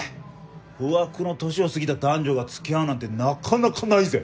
不惑の年を過ぎた男女が付き合うなんてなかなかないぜ。